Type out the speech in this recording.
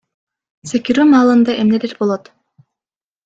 Секирүү маалында эмнелер болот?